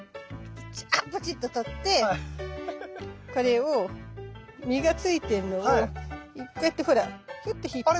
ブチッと取ってこれを実がついてんのをこうやってほらヒュッて引っ張ると。